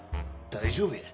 大丈夫や。